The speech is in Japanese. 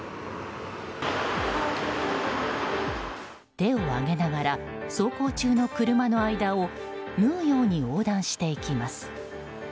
手を上げながら走行中の車の間を縫うように横断していきます。